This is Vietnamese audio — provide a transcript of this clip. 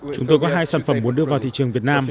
chúng tôi có hai sản phẩm muốn đưa vào thị trường việt nam